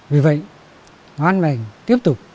vì vậy văn mèn tiếp tục